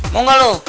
mau gak lu